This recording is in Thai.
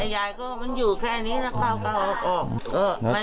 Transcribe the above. ยายว่ามันอยู่แค่นี้และเขาก็ออก